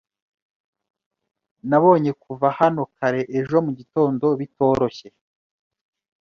Nabonye kuva hano kare ejo mugitondo bitoroshye